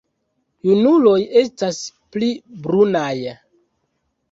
Junuloj estas pli brunaj.